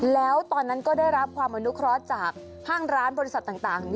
แล้วตอนนั้นก็ได้รับความอนุเคราะห์จากห้างร้านบริษัทต่าง